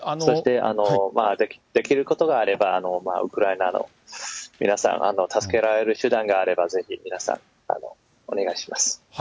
そしてできることがあれば、ウクライナの皆さん、助けられる手段があれば、ぜひ皆さん、お願いします。